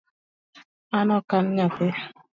An ok an nyathi